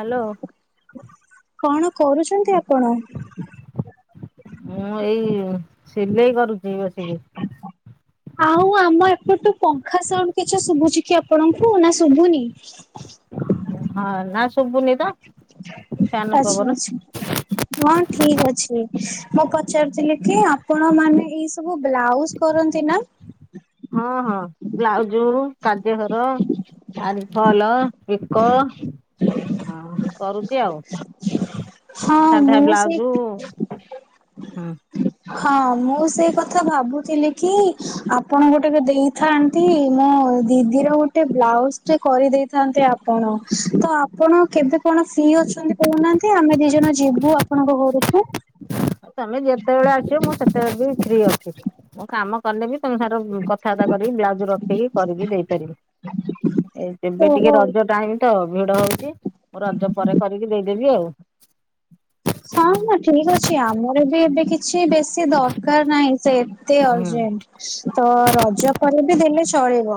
Hello. କଣ କରୁଛନ୍ତି ଆପଣ? ମୁଁ ଏଇ [inaudible] ସିଲେଇ କରୁଛି ବସିକି। [inaudible] ଆଉ ଆମ ଏପଟୁ ପଙ୍ଖା ସାଉଣ୍ଡ କିଛି ଶୁଭୁଛି କି ଆପଣଙ୍କୁ ନା ଶୁଭୁନି? [inaudible] ହଁ। ନା ଶୁଭୁନି ତ? ଆଚ୍ଛା! ଫ୍ୟାନ ପବନ ଆଚ୍ଛା!। ହଁ ଠିକ ଅଛି। ମୁଁ ପଚାରୁଥିଲି କି? ଆପଣ ମାନେ ଏଇ ସବୁ ବ୍ଲାଉଜ କରନ୍ତି ନା। ହଁ। ହଁ। [inaudible] ବ୍ଲାଉଜୁ କାଜିଆ ଘର [inaudible] ଆଲଫଲ। ପିକ। [inaudible] କରୁଛି ଆଉ। ହଁ [inaudible] ସାଧା ମୁଁ ସେଇ ବ୍ଲାଉଜୁ [inaudible] ହଁ। ମୁଁ ସେଇ କଥା ଭାବୁଥିଲି କି? ଆପଣ ଗୋଟେ ଏବେ ଦେଇଥାଆନ୍ ନ୍ତୀ, ମୋ ଦିଦିର ଗୋଟେ ବ୍ଲାଉଜ ଟେ କରିଦେଇଥାନ୍ତେ ଆପଣ। ତ ଆପଣ କେବେ ଆପଣ ଫ୍ରି ଅଛନ୍ତି କହୁନାହାନ୍ତି? ଆମେ ଦି ଜଣ ଯିବୁ ଆପଣଙ୍କ ଘରକୁ। ତମେ ଯେତେବେଳେ ଆସିବ ମୁଁ ସେତେବେଳେ ବି ଫ୍ରି ଅଛି। କାମ କଲେ ବି ତମେ ସାଇର କଥାବାର୍ତା କରିକି ବ୍ଲାଉଜ ରଖିକି କରିକି ଦେଇପାରିବି। ଏ ଏବେ ଟିକେ ଓହୋ ରଜ ଟାଇମ ତ ଭିଡ ହଉଛି। ମୁଁ ରଜ ପରେ କରିକି ଦେଇଦେବି ଆଉ। ହଁ। ହଁ। ଠିକ ଅଛି ଆମର ବି ଏବେ କି ଛି, ବେଶୀ ଦରକାର ନାହିଁ ସେ ଏତେ ହୁଁ ଅର୍ଜେଣ୍ଟ। ତ ରଜ ପରେ ବିି ଦେଲେ ଚଳିବ।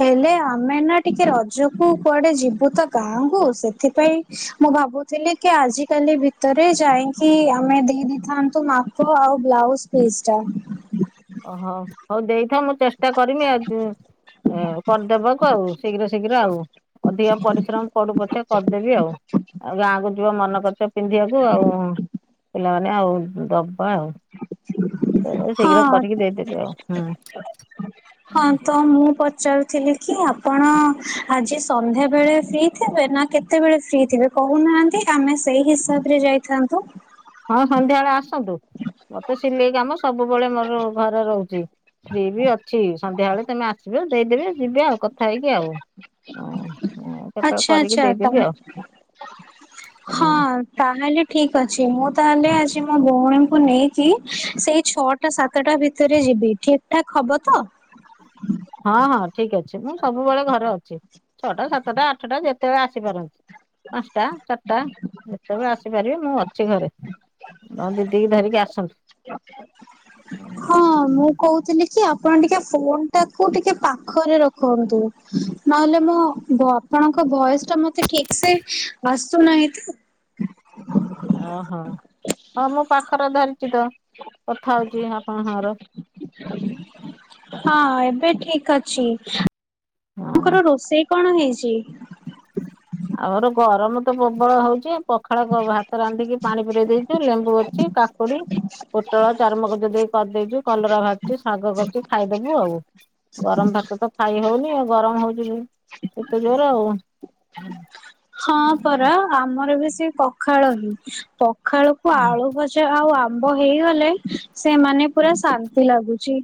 ହେଲେ ଆମେ ନା ଟିକେ ରଜକୁ କୁଆଡେ ଯିବୁ ତ ଗାଁକୁ। ସେଥିପାଇଁ ମୁଁ ଭାବୁଥିଲି କି ଆଜିକାଲି ଭି ତରେ ଯାଇକି ଆମେ ଦେଇ ଦେଇଥାନ୍ତୁ ମାପ ଆଉ ବ୍ଲାଉଜ ପିସ୍ ଟା। ଓହୋ ହଉ ଦେଇଥାଅ ମୁଁ ଚେଷ୍ଟା କରିମି ଆସିବାକୁ। ହୁଁ। ପଞ୍ଚାବନ ତୋ ଆଉ ଶୀଘ୍ର ଶୀଘ୍ର ଆଉ। ଅଧିକ ପରିଶ୍ରମ ପଡୁ ପଛେ କରିଦେବି ଆଉ। [inaudible] ଆଉ ଗାଁକୁ ଯି ଯିବ ମନକରିଚ ପିନ୍ଧିବାକୁ ଆଉ। [inaudible] ପିଲାମାନେ ଆଉ ଦବା ଆଉ। ଏ ହଁ। ଶୀଘ୍ର କରିକି ଦେଇଦେବି ଆଉ ହୁଁ ହଁ। ତ ମୁଁ ପଚାରୁଥିଲି କି ଆପଣ ଆଜି ସନ୍ଧ୍ୟାବେଳେ ଫ୍ରି ଥିବେ? ନା କେତେ କେତେବେଳେ ଫ୍ରି ଥିବେ କହୁନାହାନ୍ତି। ଆମେ ସେଇ ହିସାବରେ ଯାଇଥାଆନ୍ତୁ। ହଁ ସନ୍ଧ୍ୟାବେଳେ ଆସନ୍ତୁ। [inaudible] ମୋରତ ସିଲେଇ କାମ ସବୁବେଳେ ମୋର ଘରେ ରହୁଚି। ଫ୍ରି ବି ଅଛି। ସନ୍ଧ୍ୟା ବେଳେ ତମେ ଆସିବ ଦେଇଦେବେ ଯିବେ ଆଉ କଥା ହେଇକି ଆଉ। କେତେବେଳେ ଆଚ୍ଛା କରିକି ଆଚ୍ଛା ତା ଦେଇଦେବି ଆଉ। ହଁ। ତାହେଲେ ଠିକ ଅଛି। ମୁଁ ତାହେଲେ ଆଜି ମୋ ଭଉଣୀଙ୍କୁ ନେଇକି। ସେଇ ଛ ଟା, ସାତଟା ଭିତରେ ଯିବି ଠିକ ଠାକ ହବ ତ? ହଁ। ହଁ। ଠିକ ଅଛି। ମୁଁ ସବୁବେଳେ ଘରେ ଅଛି। ଛଅଟା, ସାତଟା, ଆଠଟା, ଯେତେବେଳେ ଆସିପାରନ୍ତି। ପାଞ୍ଚଟା, ଚାରିଟା ଯେତେବେଳେ ଆସିପାରିବେ ମୁଁ ଅଛି ଘରେ। ତମ ଦିଧରିକି ଆସନ୍ତୁ। ହଁ ମୁଁ କହୁଥିଲି କି ଆପଣ ଟିକେ ଫୋନ୍ ଟାକୁ ଟିକେ ପାଖରେ ରଖନ୍ତୁ। [inaudible] ନହେଲେ ମୋ ବ ଆପଣଙ୍କ ଭୟସ ଟା ମତେ ଠିକ ସେ ଆସୁନାହିଁ ତ। ଓହୋ [inaudible] ହଁ ମୁଁ ପାଖରେ ଧରିଛି ତ କଥା ହଉଛି ଆପଣ ସାଙ୍ଗରେ। ହଁ ଏବେ ଠିକ୍ ଅଛି। [unintelligible] ତାଙ୍କର ରୋଷେଇ କଣ ହେଇଚି? ଆବର ଗରମ ତ ପ୍ରବଳ ହଉଚି ପଖାଳ କ ଭାତ ରାନ୍ଧିକି ପାଣି ପୁରେଇ ଦେଇଚୁ ଲେମ୍ବୁ ଅଛି କା କୁଡି ପୋଟଳ ଚାରୁମଗଜ ଦେଇ କରିଦେଇଚି କଲରା ଭାଜିିଚି ଶାଗ କରିଚି ଖାଇଦବୁ ଆଉ। ଗରମ୍ ଭାତ ତ ଖାଇ ହଉନି ଆଉ ଗରମ୍ ହଉଚି [unintelligible] ଏତେ ଜୋର ଆଉ। ହୁଁ। ହଁ ପରା ଆମର ବି ସେ ପଖାଳ ହିଁ ପଖାଳକୁ ଆଳୁ ଭ ଜା ଆଉ ଆମ୍ବ ହେଇଗଲେ ସିଏ ମାନେ ପୁରା ଶାନ୍ତି ଲାଗୁଚି।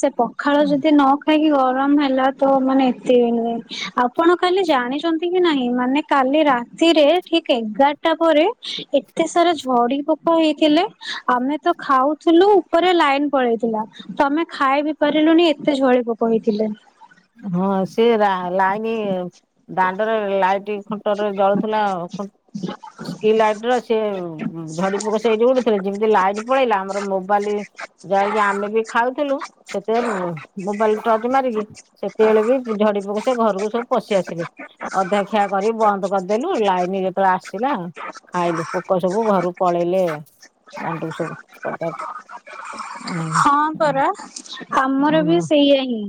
ସେ ପଖାଳ ଯଦି ନ ଖାଇକି ଗରମ ହେଲା ତ ମାନେ ଏତେ ଇଏ ନୁହେଁ ଆପଣ କାଲି ଜାଣିଚନ୍ତି କି ନାହିଁ ମାନେ କାଲି ରାତିରେ ଠିକ୍ ଏଗାରଟା ପରେ ଏତେ ସାରା ଝଡି ପୋକ ହେଇଥିଲେ। ଆମେ ତ ଖାଉଥିଲୁ ଉପରେ ଲାଇନ୍ ପଳେଇଥିଲା। ତ ଆମେ ଖାଇ ବିି ପାରିଲୁନି ଏତେ ଝଳି ପୋକ ହେଇଥିଲେ। ହଁ ସେ ରା ଲାଇନି ଦାଣ୍ଡରେ ଲାଇ ଟି ଖୁଣ୍ଟ ରେ ଜଳୁଥିଲା ଆଉ ଖୁ ସ୍କି ଲାଇଟ୍ ର ସେ ଝଡି ପୋକ ସେଇଠି ଉଡୁ ଥିଲେ ଯେମିତି ଲାଇଟ୍ ପଳେଇଲା ଆମର ମୋବାଇଲି ଯାଇକି ଆମେ ବି ଖାଉଥିଲୁ ସେତେ ମୋବାଇଲ୍ ଟର୍ଚ ମାରିକି ସେତେବେଳେ ବି ଝଡି ପୋକ ସେ ଘରକୁ ସବୁ ପଶି ଆସିଲେ ଅଧା ଖିଆ କରି ବନ୍ଦ କରିଦେଲୁ ଲାଇନି ଯେତେବେଳେ ଆସିଲା ଖାଇଲୁ ପୋକ ସବୁ ଘରୁ ପଳେଇଲେ। ଦାଣ୍ଡୁଉ ସବୁ ପଦା ହଁ ପରା। ଆମର ବି ହୁଁ ସେଇଆ ହିଁ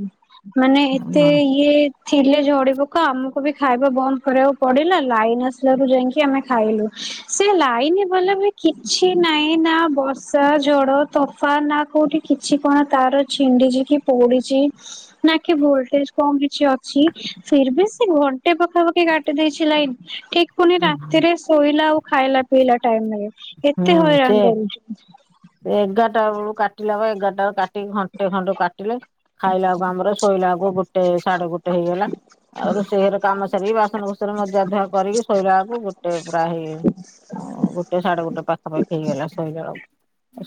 ମାନେ ଏତେ ଇଏ ଥିଲେ ଝଡି ପୋକ ଆମକୁ ବି ଖାଇବା ବନ୍ଦ୍ କରିଆକୁ ପଡିଲା ଲାଇନି ଆସିଲା ରୁ ଯାଇଁକି ଆମେ ଖାଇଲୁ ସେ ଲାଇନି ବାଲା ବି କିଛି ନାଇଁ ନା ବର୍ଷା ଝଡ ତୋଫାନ୍ ନା କୋଉଠି କିଛି କଣ ତାର ଛିଣ୍ଡିକି କି ପୋଡିଚି ନା କି ଭୋଲଟେଜ୍ କମ୍ କିଛି ଅଛି ଫିର୍ ଭି ସେ ଘଣ୍ଟେ ପାଖାପା ଖି କାଟି ଦେଇଚି ଲାଇନ୍ ଠିକ୍ ପୁଣି ରାତିରେ ଶୋଇଲା ଆଉ ଖାଇଲା ପିଇଲା ଟାଇମ୍ ରେ। କେତେ ହୁଁ ହଇରାଣ ସେ କରୁଚି। ଏଗାରଟା ଅଳୁ କାଟିଲା ବା ଏଗାରଟା [unintelligible] କା ଟି ଘଣ୍ଟେ ଖଣ୍ଟେ କାଟିଲେ ଖାଇଲା ଆକୁ ଆମର ଶୋଇଲା ଆକୁ ଗୋଟେ ସାଢେ ଗୋଟେ ହେଇଗଲା। ଆଉ ରୋଷେଇ ଘରେ କାମ ସାରିକି ବାସନ କୁସନ ମଜାଧୁଆ କରିକି ଶୋଇବା ଆକୁ ଗୋଟେ ପୁରା ହେଇ ଅଁ ଗୋଟେ ସାଢେ ଗୋଟେ ପାଖାପାଖି ହେଇଗଲା ଶୋଇଲା ଆଳୁ।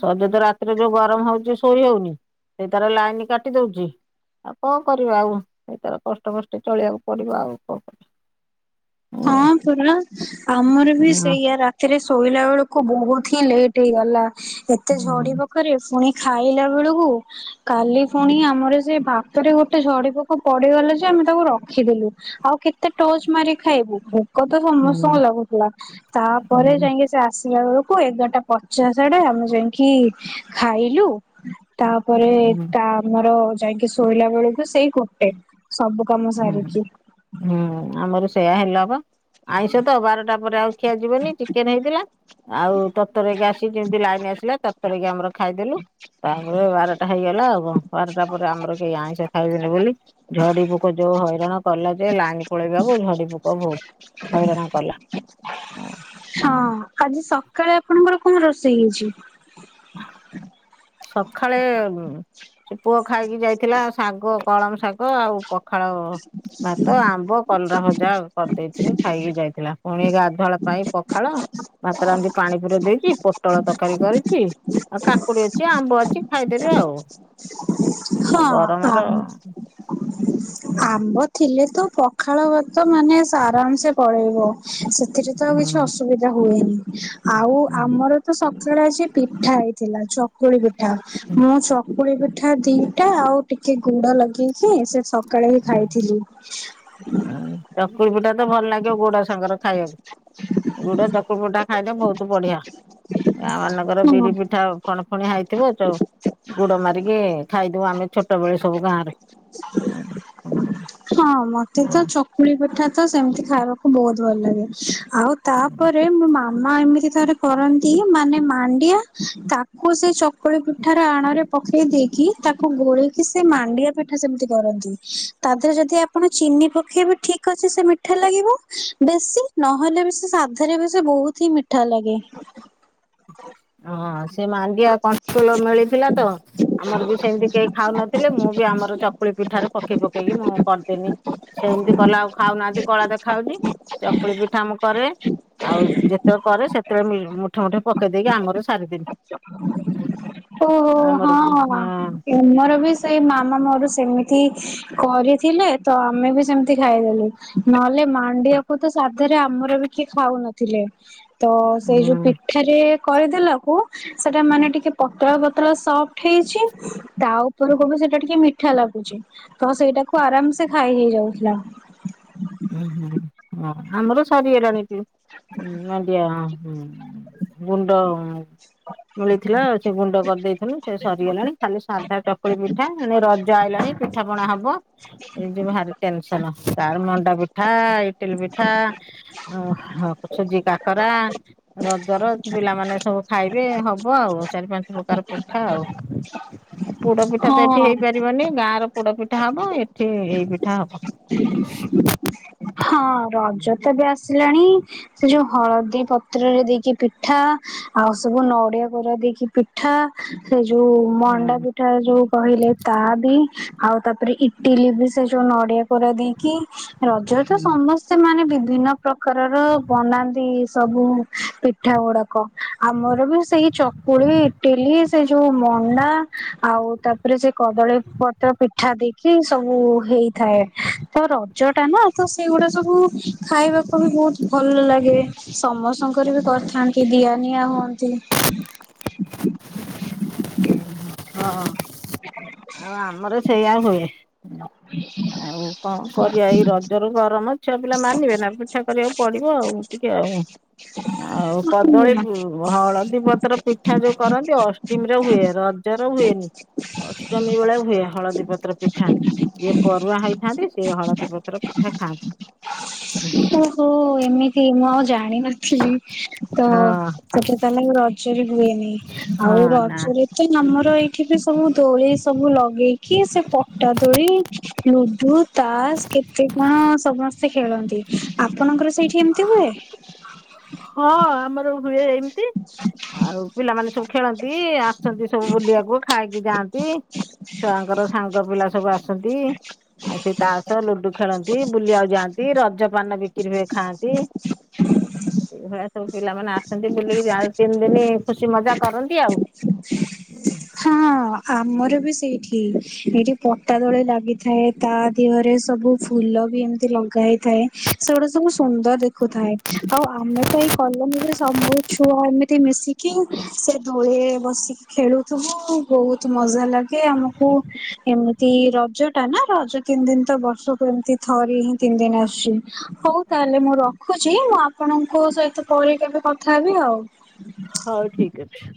ସଜେତ ରାତିରେ ଯୋଉ ଗରମ ହଉଛି ଶୋଇ ହଉନି ସେଇ ଥର ଲାଇନି କାଟି ଦଉଚି। ଆଉ କଁ କରିବ ଆଉ ଏଇ ତର କଷ୍ଟ ମଷ୍ଟେ ଚଳିଆକୁ ପଡିବ ଆଉ କଁ କରିଆ। ହଁ ପୁରା ଆମର ବି ସେଇଆ ରା ଥିରେ ଶୋଇଲା ବେଳକୁ ବହୁତି ହିଁ ଲେଟ ହେଇଗଲା ଏତେ ଝଡି ପୋ କରେ ପୁଣି ଖାଇଲା ବେଳକୁ କାଲି ପୁଣି ଆମର ସେ ଭାତରେ ଗୋଟେ ଝଡି ପୋକ ପଡିଗଲା ଯେ ଆମେ ତାକୁ ରଖିଦଲୁ। ଆଉ କେତେ ଟଚ୍ ମାରି ଖାଇବୁ ଭୋକ ତ ସମସ୍ତଙ୍କୁ ଲାଗୁଥିଲା ତାପରେ ଯାଇଁକି ସେ ଆସିବା ବେଳକୁ ଏଗାରଟା ପଚାଶ୍ ଆଡେ ଆମେ ଯାଇଁକି ଖାଇଲୁ। ତାପରେ ତା ଆମର ଯାଇକି ଶୋଇଲା ବେଳକୁ ସେଇ ଗୋଟେ। ସବୁ କାମ କରିବା। ସାରିକି। ହୁଁ ଆମର ସେଇୟା ହେଲା ବା ଆଇଁଷ ତ ବାରଟା ପରେ ଆଉ ଖିଆ ଯିବନି ଚିକେନ୍ ହେଇଥିଲା। ଆଉ ତରତର ହେଇକି ଆସିକି ଯେମିତି ଲାଇନ୍ ଆସିଲା ତରତରକି ଆମର ଖାଇଦେଲୁ। ତାପରେ ବାରଟା ହେଇଗଲା ଆଉ କଣ ବାରଟା ପରେ ଆମର କେହି ଆଇଁଷ ଖାଇବେନି ବୋଲି ଝଡି଼ ପୋକ ଯୋଉ ହଇରାଣ କଲା ଯେ ଲାଇନ୍ ପଳେଇବାକୁ ଝଡ଼ି ପୋକ ବହୁତ ହଇରାଣ କଲା। ହଁ ଆଜି ସକାଳେ ଆପଣଙ୍କର କଣ ରୋଷେଇ ହେଇଛି? ସଖାଳେ ସେ ପୁଅ ଖାଇକି ଯାଇଥିଲା ଶାଗ କଳମ ଶାଗ ଆଉ ପଖାଳ ଭାତ ଆମ୍ବ କଲରା ଭଜା ଆଉ। କରିଦେଇଥିଲି ଖାଇକି ଯାଇଥିଲା ପୁଣି ଗାଧୁଆବେଳ ପାଇଁ ପଖାଳ ଭାତ ରାନ୍ଧିକି ପାଣି ପୁରେଇ ଦେଇଛି ପୋଟଳ ତରକାରୀ କରିଛି ଆଉ କାକୁଡ଼ି ଅ ଅଛି ଆମ୍ବ ଅଛି ଖାଇଦେବେ ଆଉ। ଆଉ ହଁ ଗରମର ଆମ୍ ଆମ୍ବ ଥିଲେ ତ ପଖାଳ ଭାତ ମାନେ ଆରାମ୍ ସେ ପଳେଇବ ସେଥିରେ ତ ଆଉ କିଛି ଅସୁବିଧା ହୁଏନି। ଆଉ ଆମର ତ ସକାଳେ ଆଜି ପିଠା ହେଇଥିଲା ଚକୁଳି ପିଠା ମୁଁ ଚକୁଳି ପିଠା ଦିଟା ଆଉ ଟିକେ ଗୁଡ଼ ଲଗେଇକି ସେ ସକାଳେ ହିଁ ଖାଇଥିଲି। ଉଁ ଚକୁଳି ପିଠା ତ ଭଲ ଲାଗିବ ଗୁଡ଼ ସାଙ୍ଗର ଖାଇବାକୁ ଗୁଡ଼ ଚକୁଳି ପିଠା ଖାଇଲେ ବହୁତ ବଢ଼ିଆ ଗାଁ ମାନଙ୍କର ହଁ ବିରି ପିଠା ଫଣଫଣିଆ ହେଇଥିବ ଯଉ ଗୁଡ ମାରିକି ଖାଇଦଉ ଆମେ ଛୋଟବେେଳେ ସବୁ ଗାଁରେ ହଁ ମତେ ତ ଚକୁଳି ପିଠା ତ ସେମିତି ଖାଇବାକୁ ବହୁତ ଭଲ ଲାଗେ ଆଉ ତାପରେ ମୋ ମା ମାମା ଏମିତି ଥରେ କରନ୍ତି ମାନେ ମାଣ୍ଡିଆ ତାକୁ ସେ ଚ ଚକୁଳି ପିଠାର ଆଣରେ ପକେଇ ଦେଇକି ତାକୁ ଗୋଳେଇକି ସେ ମାଣ୍ଡିଆ ପିଠା ସେମିତି କରନ୍ତି ତା ଦେହରେ ଯଦି ଆପଣ ଚିନି ପକେଇବେ ଠିକ୍ ଠିକ୍ ଅଛି ସେ ମିଠା ଲାଗିବ ବେଶୀ ନହେଲେ ବି ସେ ସାଧାରେ ବି ସେ ବହୁତ ହିଁ ମିଠା ଲାଗେ [inaudible] ହଁ ସେ ମାଣ୍ଡିଆ କନ୍ଟ୍ରୋଲ୍ ମିଳିଥିଲା ତ [unintelligible] ଆମର ବି ସେମିତି କେହି ଖାଉନଥିଲେ ମୁଁ ବି ଆମର ଚକୁଳି ପିଠାରେ ପକେଇ ପକେଇକି ମୁଁ କରିଦେନି ସେମିତି କଲେ ଆଉ ଖାଉନାହାନ୍ତି କଳା ଦେଖାହଉଛି ଚକୁଳି ପିଠା ମୁଁ କରେ ଆଉ ଯେତେବେଳେ କରେ ସେତେବେଳେ ମୁଠେ ମୁଠେ ପକେଇ ଦେଇକି ଆମର ସାରିଦେନି ଓହୋ ଆମର ହଁ ବି ହଁ ଆମର ବି ସେଇ ମାମା ମୋର ସେମିତି କରିଥିଲେ ତ ଆମେ ବି ସେମିତି ଖାଇଦେଲୁ ନହେଲେ ମାଣ୍ଡିଆକୁ ତ ସାଧାରେ ଆମର ବି କିଏ ଖାଉନଥିଲେ ତ ସେଇ ଯୋଉ ହଁ ପିଠାରେ କରିଦେଲାକୁ ସେଟା ମାନେ ଟିକେ ପତଳା ପତଳା ସଫ୍ଟ୍ ହେଇଛି ତା ଉପରକୁବି ସେଟା ଟିକେ ମିଠା ଲାଗୁଛି ତ ସେଇଟାକୁ ଆରାମ୍ ସେ ଖାଇ ହେଇଯାଉଥିଲା ଉଁ ହୁଁ ହୋଉ ଆମର ସାରିଗଲାଣି ବି ମାଣ୍ଡିଆ ହୁଁ ଗୁଣ୍ଡ ମିଳିଥିଲା ଆଉ ସେ ଗୁଣ୍ଡ କରିଦେଇଥିନି ସେ ସରିଗଲାଣି ଖାଲି ସାଧା ଚକୁଳି ପିଠା ଏଣେ ରଜ ଆଇଲାଣି ପିଠାପଣା ହବ ଏଇ ଯୋଉ ଭାରି ଟେନ୍ସନ୍ ତାର ମଣ୍ଡା ପିଠା ଇଟିଲି ପିଠା ଓ ହଁ ସୁଜି କାକରା ରଜର ପିଲାମାନେ ସବୁ ଖାଇବେ ହବ ଆଉ ଚାରି ପାଞ୍ଚ ପ୍ରକାର ପିଠା ଆଉ ଆଉ ପୋଡ଼ପିଠା ତ ଏଠି ହଁ ହେଇପାରିବନି ଗାଁ ର ପୋଡ଼ପିଠା ହବ ଏଠି ଏଇ ପିଠା ହବ ହଁ ରଜ ତ ବି ଆସିଲାଣି ସେ ଯୋଉ ହଳଦୀ ପତ୍ରରେ ଦେଇକି ପିଠା ଆଉ ସବୁ ନଡିଆ କୋରା ଦେଇକି ପିଠା ସେ ଯୋଉ ମଣ୍ଡା ହୁଁ ପିଠା ଯୋଉ କହିଲେ ତା ବି ଆଉ ତାପରେ ଇଟିଲି ବି ସେ ଯୋଉ ନଡିଆ କୋରା ଦେଇକି ର ତ ସମସ୍ ସେମାନେ ବିଭିନ୍ନ ପ୍ରକାରର ବନାନ୍ତି ସବୁ ପିଠା ଗୁଡାକ। ଆମର ବି ସେଇ ଚକୁଳି ଇଟିଲି ସେ ଯୋଉ ମଣ୍ଡା ଆଉ ତା ଉପରେ ସେ କଦଳୀ ପତ୍ର ପିଠା ଦେଇକି ସବୁ ହେଇଥାଏ ତ ରଜଟା ନା। ତ ସେଇଗୁଡା ସବୁ ଖାଇବାକୁ ବି ବହୁତ ଭଲ ଲାଗେ। ସମସ୍ତଙ୍କର ବି କରିଥାନ୍ତି ଦିଆ ନିିଆ ହୁଅନ୍ତି। ହଁ ଆଉ ଆମର ସେଇଆ ହୁଏ। ଆଉ କଣ କରିବା ଏଇ ରଜରୁ ଗରମ ଛୁଆ ପିଲା ମାନିବେ ନା ପିଠା କରିବାକୁ ପଡିବ ଆଉ ଟିକେ ଆଉ ଆଉ କଦଳୀ ହଳଦୀ ପତ୍ର ପିଠା ଯୋଉ କରନ୍ତି ଅଷ୍ଟୀମିରେ ହୁଏ ରଜର ହୁଏନି। ଅଷ୍ଟମୀ ବେଳେ ହୁଏ ହଳଦୀ ପତ୍ର ପିଠା। ଯିଏ ପରୁଆଁ ହେଇଥାନ୍ତି ସିଏ ହଳଦୀ ପତ୍ର ପିଠା ଖାଆନ୍ତି। ଓହୋ ଏମିତି ମୁଁ ଆଉ ଜାଣିନଥିଲି ତ ହଁ ସେଟା। ତାହେଲେ ରଜରେ ହୁଏନି ହଁ ଆଉ ନା। ରଜରେ ତ ଆମର ଏଇଠି ସବୁ ଦୋଳି ସବୁ ଲଗେଇକି ସେ ପଟା ଦୋଳି ଲୁଡୁ ତାସ କେତେ କଣ ସମସ୍ ସେ ଖେଳନ୍ତି ଆପଣଙ୍କର ସେଇଠି ଏମିତି ହୁଏ? ହଁ ଆମର ହୁଏ ଏମ୍ତି। ଆଉ ପିଲାମାନେ ସବୁ ଖେଳନ୍ତି ଆସନ୍ତି ସବୁ ବୁଲିବାକୁ ଖାଇକି ଯାଆନ୍ତି। ଛୁଆଙ୍କର ସାଙ୍ଗ ପିଲା ସବୁ ଆସନ୍ତି। ଆଉ ସେ ତାସ ଲୁଡୁ ଖେଳନ୍ତି ବୁଲିଆଉ ଯାଆନ୍ତି ରଜପାନ ବିକ୍ରି ହୁଏ ଖାଆ ନ୍ତି ଏଇଭଳିଆ ସବୁ ପିଲାମାନେ ଆସନ୍ତି ବୁଲିକି ଯା ତିନି ଦିନି ଖୁସି ମଜା କରନ୍ତି ଆଉ। ହଁ ଆମର ବି ସେଇଠି ଏଠି ପଟା ଦୋଳି ଲାଗିଥାଏ। ତା ଦିହରେ ସବୁ ଫୁଲ ବି ଏମ୍ତି ଲଗା ହେଇଥାଏ। ସେଗୁଡା ସବୁ ସୁନ୍ଦର୍ ଦେ ଖୁଥାଏ ଆଉ ଆମେ ତ ଏଇ କଲନିରେ ସମୁ ଛୁଆ ଏମିତି ମିଶି କିଂ ସେ ଦୋଳିରେ ବସିକି ଖେଳୁ। ତହ ବହୁତ୍ ମଜା ଲାଗେ ଆମକୁ ଏମିତି ରଜଟା ନା ରଜ ତିନି୍ ଦିନ୍ ତ ବର୍ଷକୁ ଏମ୍ତି ଥରେ ହିଁ ତିନି୍ ଦିନ୍ ଆସୁଛି ହଉ ତାହେଲେ ମୁଁ ର ଖୁଛି ମୁଁ ଆପଣଙ୍କ ସହିତ ପରେ କେବେ କଥା ହେବି ଆଉ। ହଉ ଠିକ୍ ଅଛି।